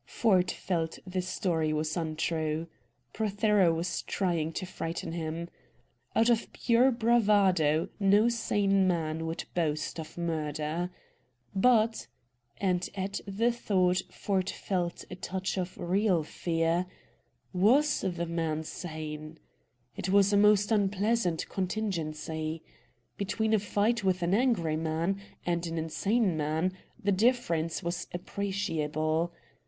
Ford felt the story was untrue. Prothero was trying to frighten him. Out of pure bravado no sane man would boast of murder. But and at the thought Ford felt a touch of real fear was the man sane? It was a most unpleasant contingency. Between a fight with an angry man and an insane man the difference was appreciable.